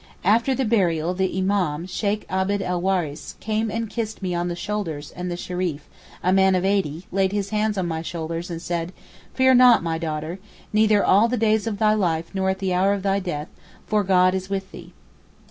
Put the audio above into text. After the burial the Imám, Sheykh Abd el Waris, came and kissed me on the shoulders and the Shereef, a man of eighty, laid his hands on my shoulders and said, 'Fear not my daughter, neither all the days of thy life nor at the hour of thy death, for God is with thee.